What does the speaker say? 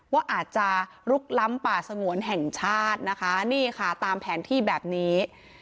ว่าอาจจะลุกล้ำป่าสงวนแห่งชาตินะคะนี่ค่ะตามแผนที่แบบนี้